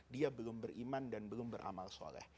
dia belum beriman dan belum beramal soleh